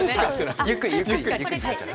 ゆっくり、ゆっくり。